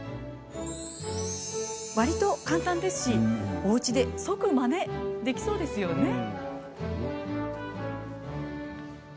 わりと簡単ですし、おうちで即まねができそうですよね。